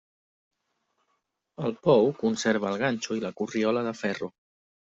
El pou conserva el ganxo i la corriola de ferro.